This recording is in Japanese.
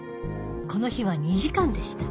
この日は２時間でした。